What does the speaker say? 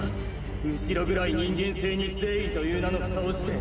後ろ暗い人間性に正義という名の蓋をして！